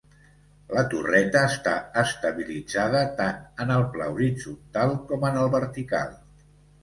La torreta està estabilitzada tant en el pla horitzontal com en el vertical.